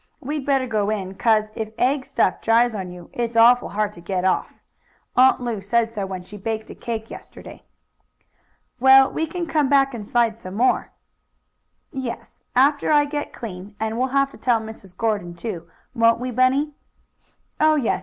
"We'd better go in, 'cause if egg stuff dries on you it's awful hard to get off. Aunt Lu said so when she baked a cake yesterday." "Well, we can come back and slide some more." "Yes, after I get clean. And we'll have to tell Mrs. Gordon, too; won't we, Bunny?" "Oh, yes.